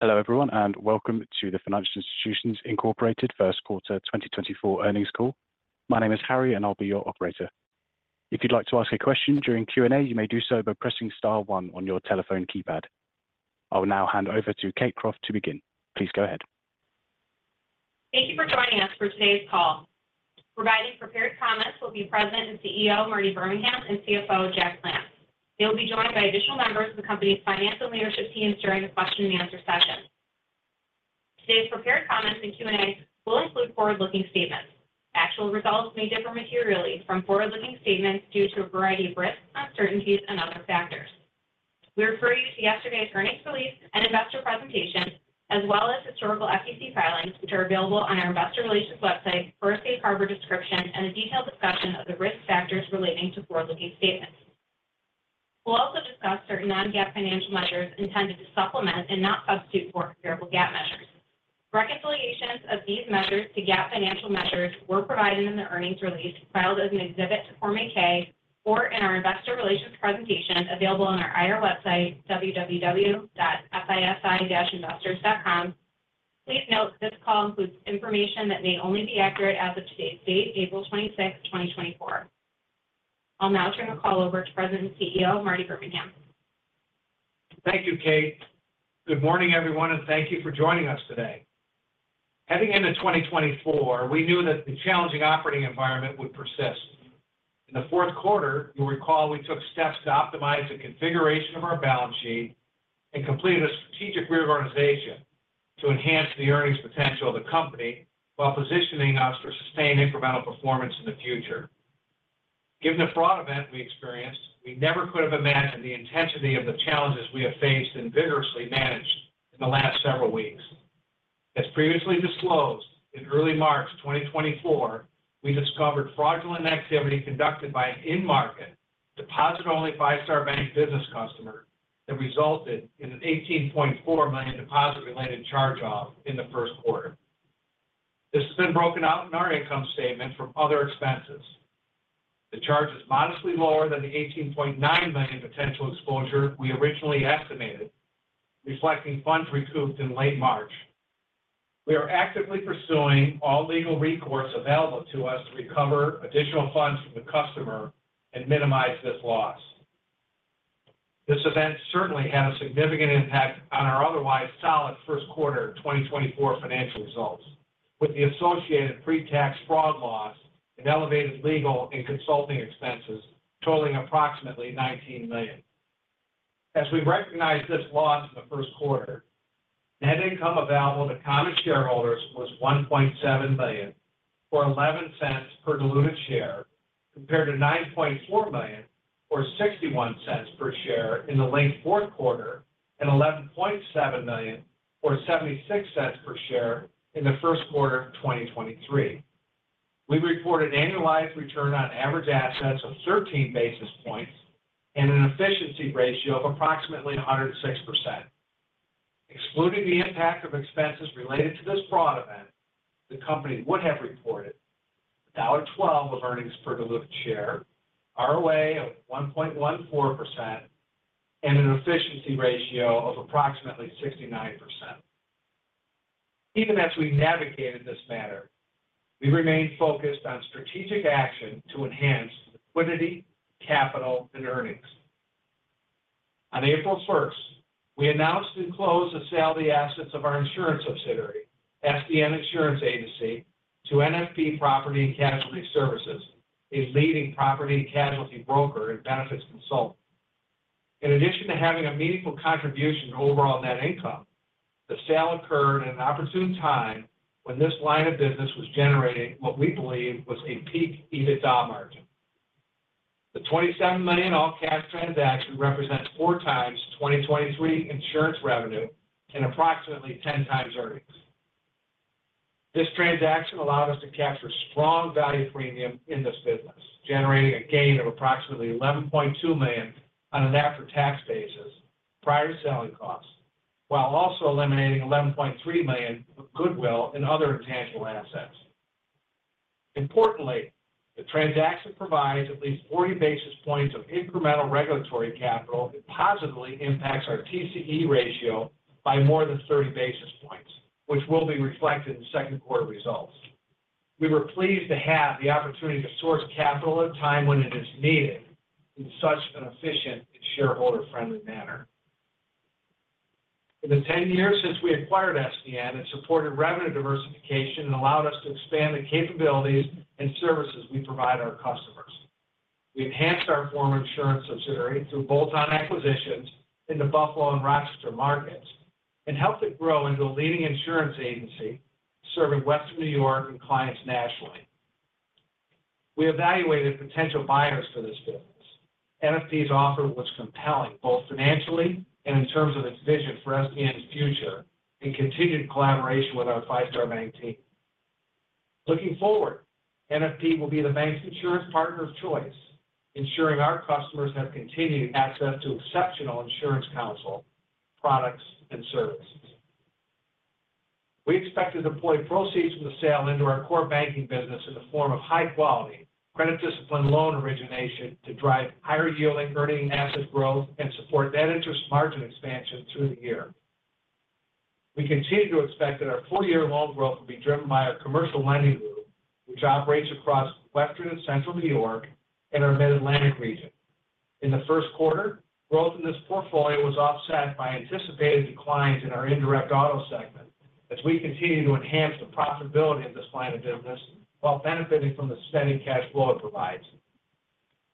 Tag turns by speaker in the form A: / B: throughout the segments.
A: Hello, everyone, and welcome to the Financial Institutions, Inc. First Quarter 2024 earnings call. My name is Harry, and I'll be your operator. If you'd like to ask a question during Q&A, you may do so by pressing star one on your telephone keypad. I will now hand over to Kate Croft to begin. Please go ahead.
B: Thank you for joining us for today's call. Providing prepared comments will be President and CEO, Marty Birmingham, and CFO, Jack Plants. They'll be joined by additional members of the company's financial leadership teams during the question and answer session. Today's prepared comments and Q&A will include forward-looking statements. Actual results may differ materially from forward-looking statements due to a variety of risks, uncertainties, and other factors. We refer you to yesterday's earnings release and investor presentation, as well as historical SEC filings, which are available on our investor relations website for a safe harbor description and a detailed discussion of the risk factors relating to forward-looking statements. We'll also discuss certain non-GAAP financial measures intended to supplement and not substitute for comparable GAAP measures. Reconciliations of these measures to GAAP financial measures were provided in the earnings release filed as an exhibit to Form 8-K or in our investor relations presentation, available on our IR website, www.fisi-investors.com. Please note, this call includes information that may only be accurate as of today's date, April 26th, 2024. I'll now turn the call over to President and CEO, Marty Birmingham.
C: Thank you, Kate. Good morning, everyone, and thank you for joining us today. Heading into 2024, we knew that the challenging operating environment would persist. In the fourth quarter, you'll recall, we took steps to optimize the configuration of our balance sheet and completed a strategic reorganization to enhance the earnings potential of the company while positioning us for sustained incremental performance in the future. Given the fraud event we experienced, we never could have imagined the intensity of the challenges we have faced and vigorously managed in the last several weeks. As previously disclosed, in early March 2024, we discovered fraudulent activity conducted by an in-market deposit-only Five Star Bank business customer that resulted in a $18.4 million deposit-related charge-off in the first quarter. This has been broken out in our income statement from other expenses. The charge is modestly lower than the $18.9 million potential exposure we originally estimated, reflecting funds recouped in late March. We are actively pursuing all legal recourse available to us to recover additional funds from the customer and minimize this loss. This event certainly had a significant impact on our otherwise solid first quarter 2024 financial results, with the associated pre-tax fraud loss and elevated legal and consulting expenses totaling approximately $19 million. As we recognized this loss in the first quarter, net income available to common shareholders was $1.7 million, or $0.11 per diluted share, compared to $9.4 million or $0.61 per share in the late fourth quarter, and $11.7 million or $0.76 per share in the first quarter of 2023. We reported annualized return on average assets of 13 basis points and an efficiency ratio of approximately 106%. Excluding the impact of expenses related to this fraud event, the company would have reported $1.12 of earnings per diluted share, ROA of 1.14%, and an efficiency ratio of approximately 69%. Even as we navigated this matter, we remained focused on strategic action to enhance liquidity, capital and earnings. On April first, we announced and closed the sale of the assets of our insurance subsidiary, SDN Insurance Agency, to NFP Property & Casualty Services, a leading property and casualty broker and benefits consultant. In addition to having a meaningful contribution to overall net income, the sale occurred at an opportune time when this line of business was generating what we believe was a peak EBITDA margin. The $27 million all-cash transaction represents 4x 2023 insurance revenue and approximately 10x earnings. This transaction allowed us to capture strong value premium in this business, generating a gain of approximately $11.2 million on an after-tax basis, prior to selling costs, while also eliminating $11.3 million of goodwill and other intangible assets. Importantly, the transaction provides at least 40 basis points of incremental regulatory capital that positively impacts our TCE ratio by more than 30 basis points, which will be reflected in second quarter results. We were pleased to have the opportunity to source capital at a time when it is needed in such an efficient and shareholder-friendly manner. In the 10 years since we acquired SDN, it supported revenue diversification and allowed us to expand the capabilities and services we provide our customers. We enhanced our former insurance subsidiary through bolt-on acquisitions in the Buffalo and Rochester markets and helped it grow into a leading insurance agency serving Western New York and clients nationally. We evaluated potential buyers for this business. NFP's offer was compelling, both financially and in terms of its vision for SDN's future and continued collaboration with our Five Star Bank team. Looking forward, NFP will be the bank's insurance partner of choice, ensuring our customers have continued access to exceptional insurance counsel, products, and services. We expect to deploy proceeds from the sale into our core banking business in the form of high quality, credit discipline loan origination to drive higher yielding earning asset growth and support net interest margin expansion through the year. We continue to expect that our full-year loan growth will be driven by our commercial lending group, which operates across Western and Central New York and our Mid-Atlantic region. In the first quarter, growth in this portfolio was offset by anticipated declines in our indirect auto segment as we continue to enhance the profitability of this line of business while benefiting from the spending cash flow it provides.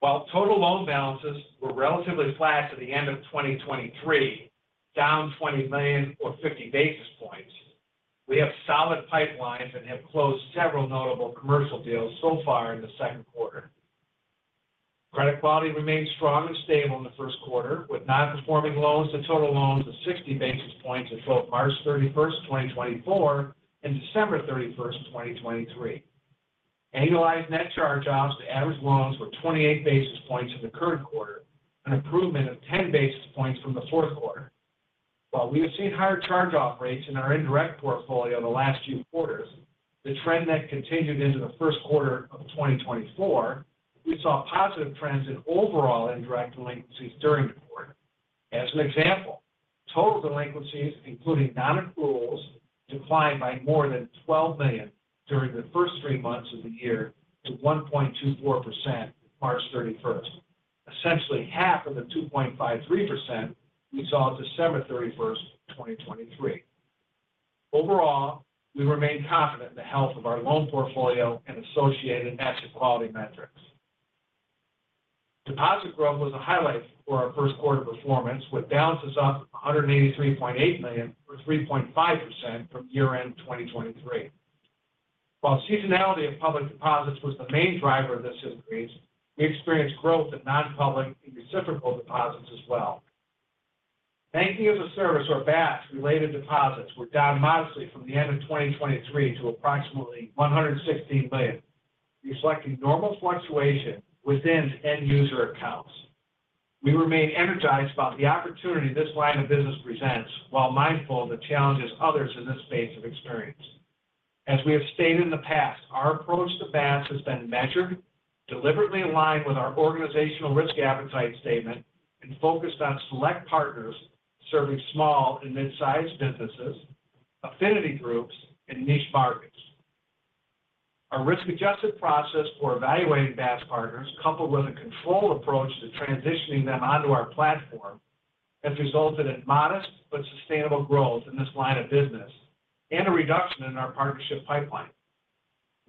C: While total loan balances were relatively flat at the end of 2023, down $20 million or 50 basis points, we have solid pipelines and have closed several notable commercial deals so far in the second quarter. Credit quality remained strong and stable in the first quarter, with non-performing loans to total loans of 60 basis points as of March 31, 2024 and December 31, 2023. Annualized net charge-offs to average loans were 28 basis points in the current quarter, an improvement of 10 basis points from the fourth quarter. While we have seen higher charge-off rates in our indirect portfolio the last few quarters, the trend that continued into the first quarter of 2024, we saw positive trends in overall indirect delinquencies during the quarter. As an example, total delinquencies, including non-accruals, declined by more than $12 million during the first three months of the year to 1.24% March 31. Essentially half of the 2.53% we saw at December 31, 2023. Overall, we remain confident in the health of our loan portfolio and associated asset quality metrics. Deposit growth was a highlight for our first quarter performance, with balances up $183.8 million, or 3.5% from year-end 2023. While seasonality of public deposits was the main driver of this increase, we experienced growth in non-public and reciprocal deposits as well. Banking as a Service or BaaS related deposits were down modestly from the end of 2023 to approximately $116 billion, reflecting normal fluctuation within end user accounts. We remain energized about the opportunity this line of business presents, while mindful of the challenges others in this space have experienced. As we have stated in the past, our approach to BaaS has been measured, deliberately aligned with our organizational risk appetite statement, and focused on select partners serving small and mid-sized businesses, affinity groups, and niche markets. Our risk-adjusted process for evaluating BaaS partners, coupled with a controlled approach to transitioning them onto our platform, has resulted in modest but sustainable growth in this line of business and a reduction in our partnership pipeline.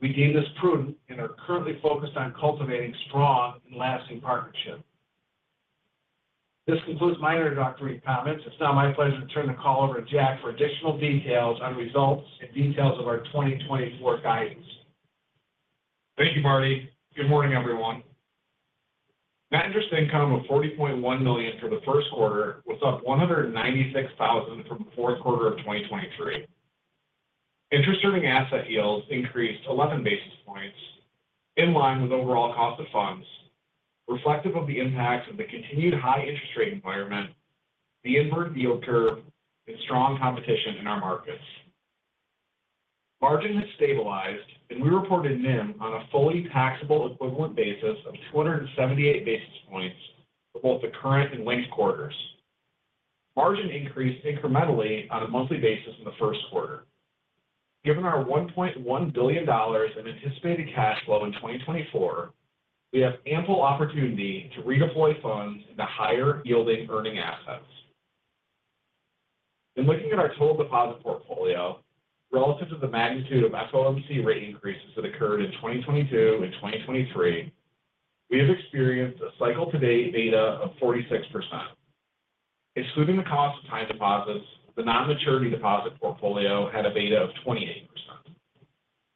C: We deem this prudent and are currently focused on cultivating strong and lasting partnerships. This concludes my introductory comments. It's now my pleasure to turn the call over to Jack for additional details on results and details of our 2024 guidance.
D: Thank you, Marty. Good morning, everyone. Net interest income of $40.1 million for the first quarter was up $196,000 from the fourth quarter of 2023. Interest-earning asset yields increased 11 basis points, in line with overall cost of funds, reflective of the impacts of the continued high interest rate environment, the inverted yield curve and strong competition in our markets. Margin has stabilized, and we reported NIM on a fully taxable equivalent basis of 278 basis points for both the current and linked quarters. Margin increased incrementally on a monthly basis in the first quarter. Given our $1.1 billion in anticipated cash flow in 2024, we have ample opportunity to redeploy funds into higher yielding earning assets. In looking at our total deposit portfolio, relative to the magnitude of FOMC rate increases that occurred in 2022 and 2023, we have experienced a cycle-to-date beta of 46%. Excluding the cost of time deposits, the non-maturity deposit portfolio had a beta of 28%.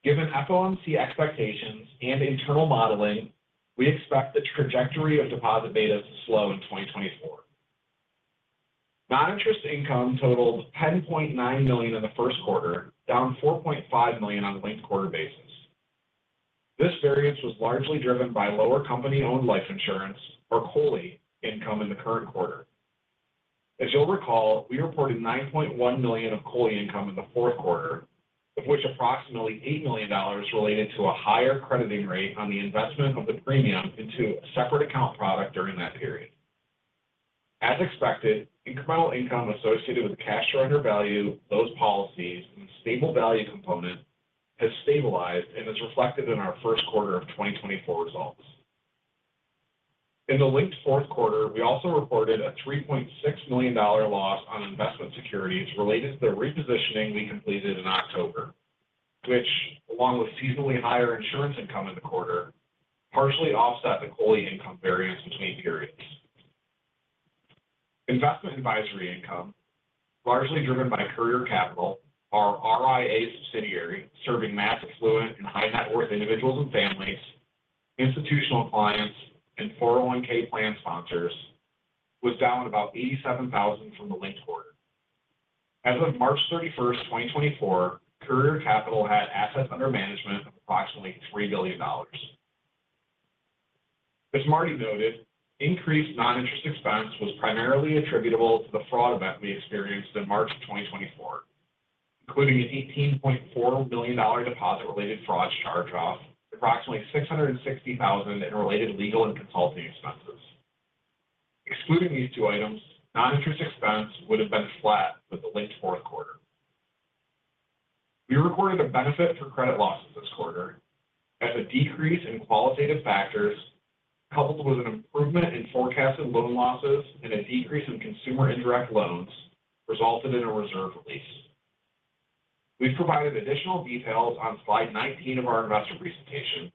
D: Given FOMC expectations and internal modeling, we expect the trajectory of deposit beta to slow in 2024. Non-interest income totaled $10.9 million in the first quarter, down $4.5 million on a linked quarter basis. This variance was largely driven by lower company-owned life insurance, or COLI income in the current quarter. As you'll recall, we reported $9.1 million of COLI income in the fourth quarter, of which approximately $8 million related to a higher crediting rate on the investment of the premium into a separate account product during that period. As expected, incremental income associated with cash surrender value, those policies, and the stable value component has stabilized and is reflected in our first quarter of 2024 results. In the linked fourth quarter, we also reported a $3.6 million loss on investment securities related to the repositioning we completed in October, which, along with seasonally higher insurance income in the quarter, partially offset the COLI income variance between periods. Investment advisory income, largely driven by Courier Capital, our RIA subsidiary, serving mass affluent and high-net-worth individuals and families, institutional clients, and 401(k) plan sponsors, was down about $87,000 from the linked quarter. As of March 31, 2024, Courier Capital had assets under management of approximately $3 billion. As Marty noted, increased non-interest expense was primarily attributable to the fraud event we experienced in March of 2024, including an $18.4 billion deposit-related fraud charge-off, approximately $660,000 in related legal and consulting expenses. Excluding these two items, non-interest expense would have been flat with the linked fourth quarter. We recorded a benefit for credit losses this quarter as a decrease in qualitative factors, coupled with an improvement in forecasted loan losses and a decrease in consumer indirect loans, resulted in a reserve release. We've provided additional details on Slide 19 of our investor presentation,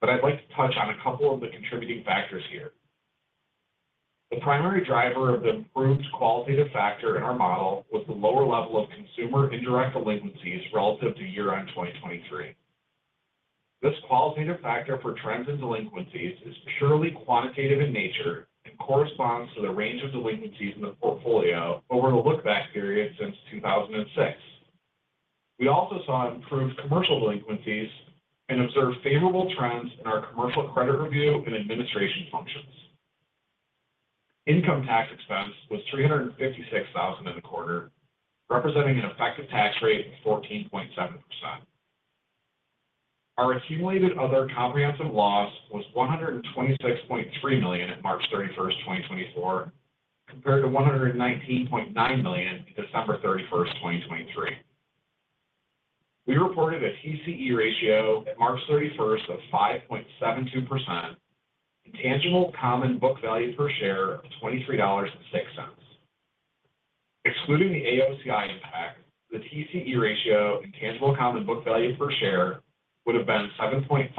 D: but I'd like to touch on a couple of the contributing factors here. The primary driver of the improved qualitative factor in our model was the lower level of consumer indirect delinquencies relative to year-end 2023. This qualitative factor for trends and delinquencies is purely quantitative in nature and corresponds to the range of delinquencies in the portfolio over the look-back period since 2006. We also saw improved commercial delinquencies and observed favorable trends in our commercial credit review and administration functions. Income tax expense was $356,000 in the quarter, representing an effective tax rate of 14.7%. Our accumulated other comprehensive loss was $126.3 million at March 31, 2024, compared to $119.9 million at December 31, 2023. We reported a TCE ratio at March 31 of 5.72% and tangible common book value per share of $23.06. Excluding the AOCI impact, the TCE ratio and tangible common book value per share would have been 7.53%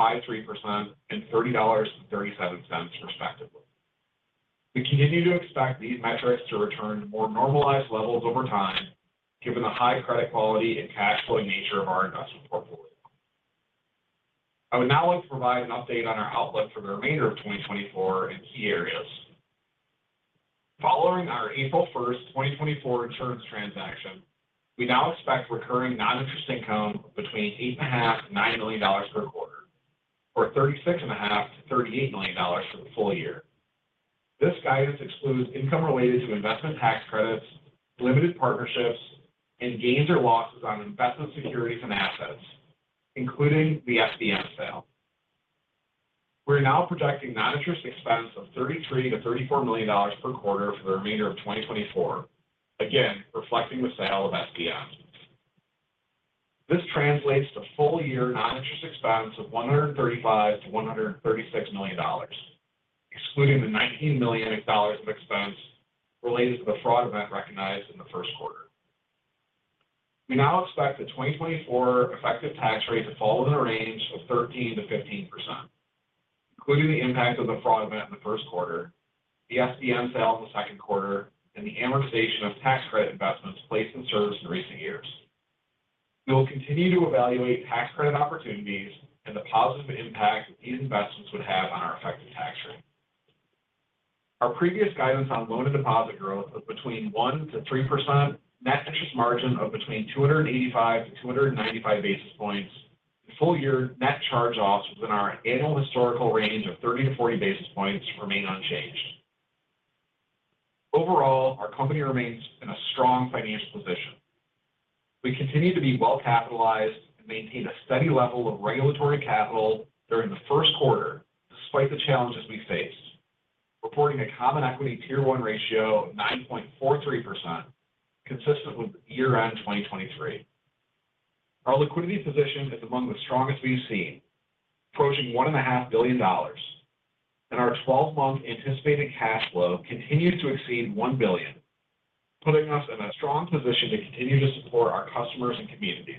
D: and $30.37, respectively. We continue to expect these metrics to return to more normalized levels over time, given the high credit quality and cash flow nature of our investment portfolio. I would now like to provide an update on our outlook for the remainder of 2024 in key areas. Following our April 1, 2024 insurance transaction, we now expect recurring non-interest income between $8.5 million-$9 million per quarter, or $36.5 million-$38 million for the full year. This guidance excludes income related to investment tax credits, limited partnerships, and gains or losses on investment securities and assets, including the SDN sale. We're now projecting non-interest expense of $33 million-$34 million per quarter for the remainder of 2024, again, reflecting the sale of SDN. This translates to full-year non-interest expense of $135 million-$136 million, excluding the $19 million of expense related to the fraud event recognized in the first quarter. We now expect the 2024 effective tax rate to fall within a range of 13%-15%, including the impact of the fraud event in the first quarter, the SDN sale in the second quarter, and the amortization of tax credit investments placed in service in recent years. We will continue to evaluate tax credit opportunities and the positive impact these investments would have on our effective tax rate. Our previous guidance on loan and deposit growth of between 1%-3%, net interest margin of between 285-295 basis points, and full-year net charge-offs within our annual historical range of 30-40 basis points remain unchanged. Overall, our company remains in a strong financial position. We continue to be well-capitalized and maintain a steady level of regulatory capital during the first quarter, despite the challenges we faced, reporting a Common Equity Tier 1 ratio of 9.43%, consistent with year-end 2023. Our liquidity position is among the strongest we've seen, approaching $1.5 billion, and our twelve-month anticipated cash flow continues to exceed $1 billion, putting us in a strong position to continue to support our customers and communities.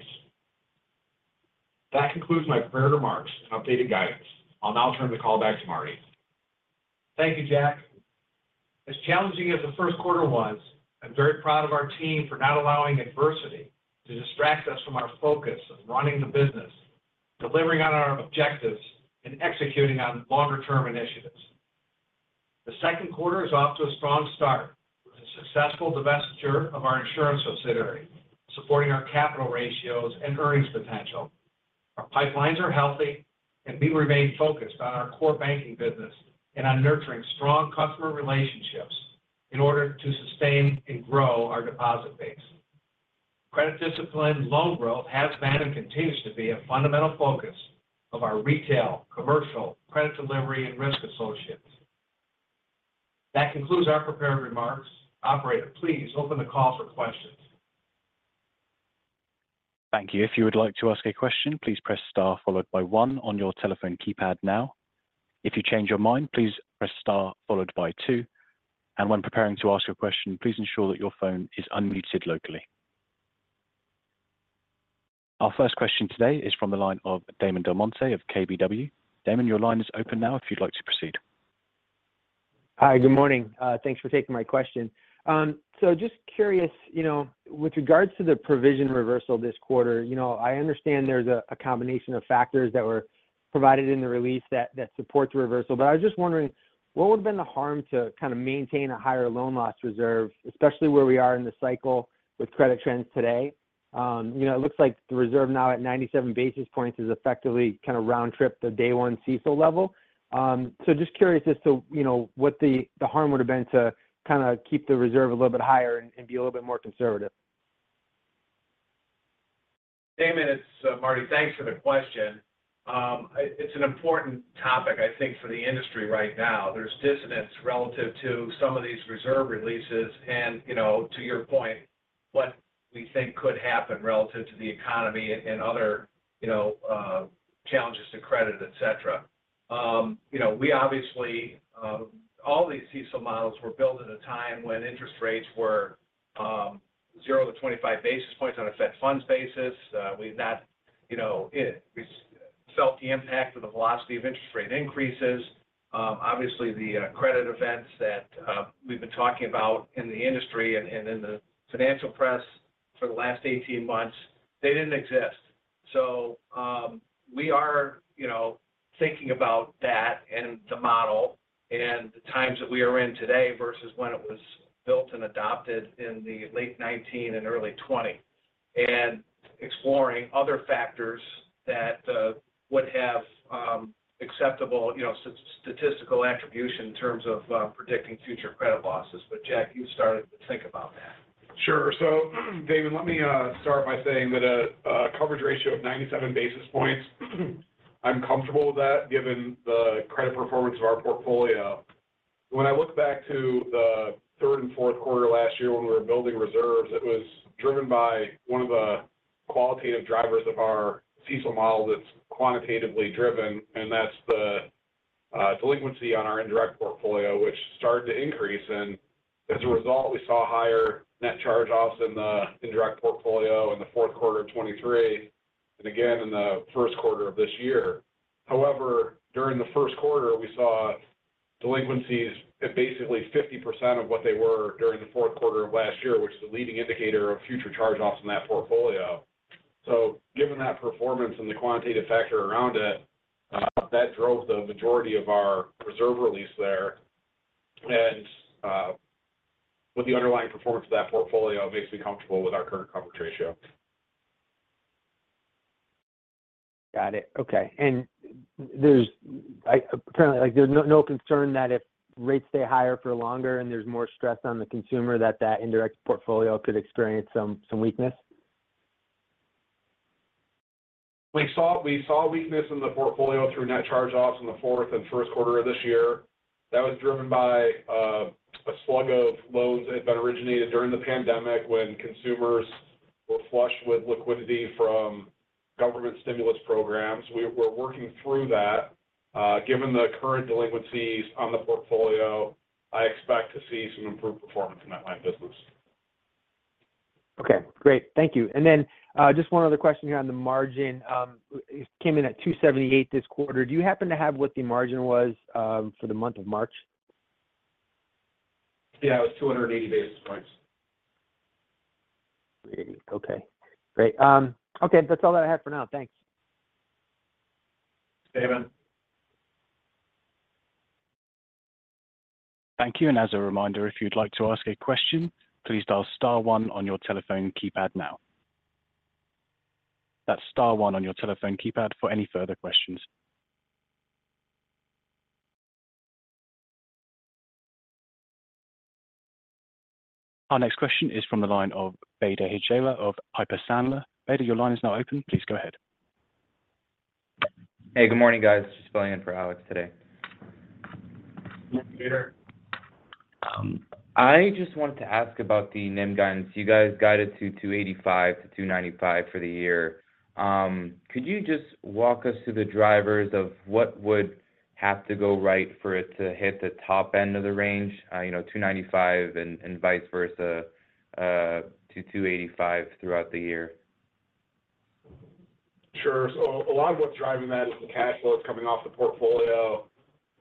D: That concludes my prepared remarks and updated guidance. I'll now turn the call back to Marty.
C: Thank you, Jack. As challenging as the first quarter was, I'm very proud of our team for not allowing adversity to distract us from our focus of running the business, delivering on our objectives, and executing on longer-term initiatives. The second quarter is off to a strong start with the successful divestiture of our insurance subsidiary, supporting our capital ratios and earnings potential. Our pipelines are healthy, and we remain focused on our core banking business and on nurturing strong customer relationships in order to sustain and grow our deposit base. Credit discipline loan growth has been and continues to be a fundamental focus of our retail, commercial, credit delivery, and risk associates. That concludes our prepared remarks. Operator, please open the call for questions.
A: Thank you. If you would like to ask a question, please press star followed by one on your telephone keypad now. If you change your mind, please press star followed by two, and when preparing to ask a question, please ensure that your phone is unmuted locally. Our first question today is from the line of Damon DelMonte of KBW. Damon, your line is open now if you'd like to proceed.
E: Hi, good morning. Thanks for taking my question. So just curious, you know, with regards to the provision reversal this quarter, you know, I understand there's a combination of factors that were provided in the release that support the reversal, but I was just wondering, what would have been the harm to kind of maintain a higher loan loss reserve, especially where we are in the cycle with credit trends today? You know, it looks like the reserve now at 97 basis points is effectively kind of round-trip the day one CECL level. So just curious as to, you know, what the harm would have been to kind of keep the reserve a little bit higher and be a little bit more conservative?...
C: Damon, it's Marty. Thanks for the question. It's an important topic, I think, for the industry right now. There's dissonance relative to some of these reserve releases, and, you know, to your point, what we think could happen relative to the economy and other, you know, challenges to credit, et cetera. You know, we obviously all these CECL models were built at a time when interest rates were 0-25 basis points on a Fed Funds basis. We've not, you know, we felt the impact of the velocity of interest rate increases. Obviously, the credit events that we've been talking about in the industry and in the financial press for the last 18 months, they didn't exist. So, we are, you know, thinking about that and the model, and the times that we are in today versus when it was built and adopted in the late 2019 and early 2020. And exploring other factors that would have acceptable, you know, statistical attribution in terms of predicting future credit losses. But, Jack, you started to think about that.
D: Sure. So Damon, let me start by saying that a coverage ratio of 97 basis points, I'm comfortable with that, given the credit performance of our portfolio. When I look back to the third and fourth quarter last year when we were building reserves, it was driven by one of the qualitative drivers of our CECL model that's quantitatively driven, and that's the delinquency on our indirect portfolio, which started to increase. And as a result, we saw higher net charge-offs in the indirect portfolio in the fourth quarter of 2023, and again in the first quarter of this year. However, during the first quarter, we saw delinquencies at basically 50% of what they were during the fourth quarter of last year, which is a leading indicator of future charge-offs in that portfolio. So given that performance and the quantitative factor around it, that drove the majority of our reserve release there. And, with the underlying performance of that portfolio, it makes me comfortable with our current coverage ratio.
E: Got it. Okay, and there's apparently, like, there's no, no concern that if rates stay higher for longer and there's more stress on the consumer, that that indirect portfolio could experience some, some weakness?
F: We saw weakness in the portfolio through net charge-offs in the fourth and first quarter of this year. That was driven by a slug of loans that had been originated during the pandemic when consumers were flush with liquidity from government stimulus programs. We're working through that. Given the current delinquencies on the portfolio, I expect to see some improved performance in that line of business.
E: Okay, great. Thank you. And then, just one other question here on the margin. It came in at 2.78 this quarter. Do you happen to have what the margin was for the month of March?
F: Yeah, it was 280 basis points.
E: Great. Okay, great. Okay, that's all that I have for now.
D: Thanks Damon.
A: Thank you, and as a reminder, if you'd like to ask a question, please dial star one on your telephone keypad now. That's star one on your telephone keypad for any further questions. Our next question is from the line of Bader Hijleh of Piper Sandler. Bader, your line is now open. Please go ahead.
G: Hey, good morning, guys. Just filling in for Alex today.
D: Good morning, Bader.
G: I just wanted to ask about the NIM guidance. You guys guided to 2.85%-2.95% for the year. Could you just walk us through the drivers of what would have to go right for it to hit the top end of the range, you know, 2.95%, and, and vice versa, to 2.85% throughout the year?
F: Sure. So a lot of what's driving that is the cash flow that's coming off the portfolio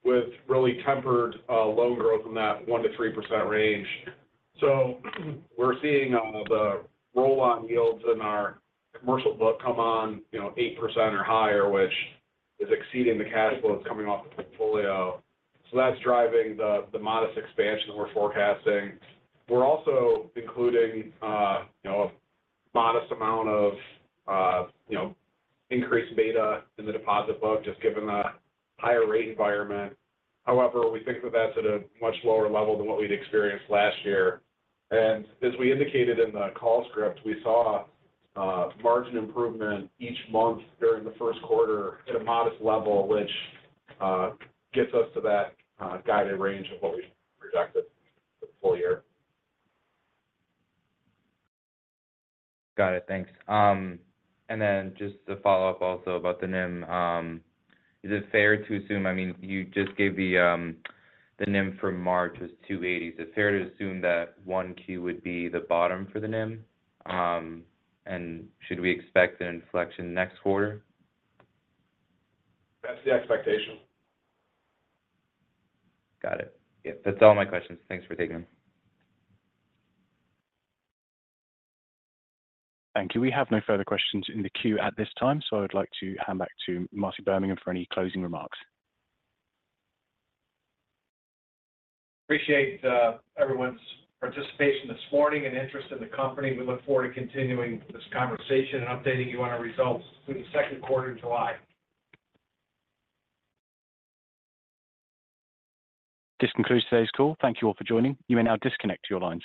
F: with really tempered, loan growth in that 1%-3% range. So we're seeing the roll-on yields in our commercial book come on, you know, 8% or higher, which is exceeding the cash flow that's coming off the portfolio. So that's driving the, the modest expansion we're forecasting. We're also including, you know, a modest amount of, you know, increased beta in the deposit book, just given the higher rate environment. However, we think that that's at a much lower level than what we'd experienced last year. And as we indicated in the call script, we saw margin improvement each month during the first quarter at a modest level, which gets us to that guided range of what we projected for the full year.
G: Got it. Thanks. And then just to follow up also about the NIM, is it fair to assume... I mean, you just gave the, the NIM for March was 2.80. Is it fair to assume that 1Q would be the bottom for the NIM? And should we expect an inflection next quarter?
F: That's the expectation.
C: Got it. Yeah, that's all my questions. Thanks for taking them.
A: Thank you. We have no further questions in the queue at this time, so I would like to hand back to Marty Birmingham for any closing remarks.
C: Appreciate everyone's participation this morning and interest in the company. We look forward to continuing this conversation and updating you on our results for the second quarter in July.
A: This concludes today's call. Thank you all for joining. You may now disconnect your lines.